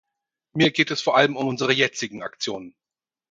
Mir geht es vor allem um unsere jetzigen Aktionen.